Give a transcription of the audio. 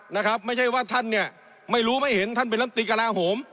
นะครับไม่ใช่ว่าท่านเนี่ยไม่รู้ไม่เห็นท่านเป็นลำตีกระลาโหม